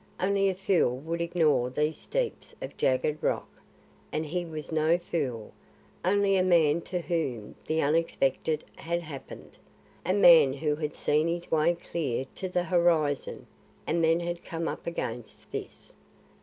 Only a fool would ignore these steeps of jagged rock; and he was no fool, only a man to whom the unexpected had happened, a man who had seen his way clear to the horizon and then had come up against this!